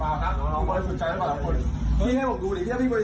ผมให้ดูนะไปแล้วไปแล้วหมดแล้ว